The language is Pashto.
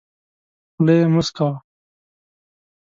خوله یې موسکه وه .